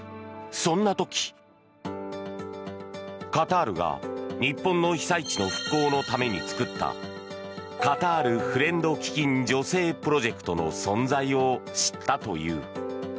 そんな時、カタールが日本の被災地の復興のために作ったカタールフレンド基金助成プロジェクトの存在を知ったという。